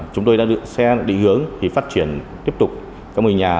chúng tôi sẽ định hướng phát triển tiếp tục các môi nhà